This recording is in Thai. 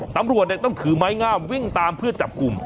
ตำรวจต้องถือไม้งามวิ่งตามเพื่อจับกลุ่ม